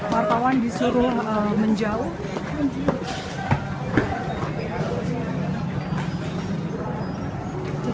wartawan disuruh menjauh